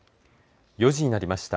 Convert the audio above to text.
４時になりました。